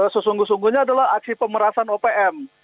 sesungguh sungguhnya adalah aksi pemerasan opm